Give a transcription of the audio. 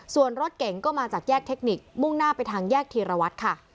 ส่วนรถเก่งก็มาจากแยกเทคนิคมุ่งหน้าไปทางแยกธีรวัตรค่ะ